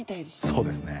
そうですね。